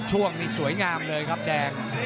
ช่วงนี้สวยงามเลยครับแดง